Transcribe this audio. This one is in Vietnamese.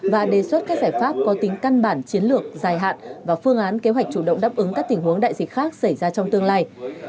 và đề xuất các giải pháp có tính căn bản chiến lược dài hạn và phương án kế hoạch chủ động đáp ứng các tình huống đại dịch khác xảy ra trong tương lai